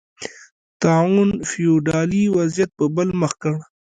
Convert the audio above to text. طاعون فیوډالي وضعیت په بل مخ کړ